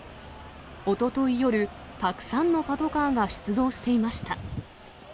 おととい夜、たくさんのパトカーが出動していました。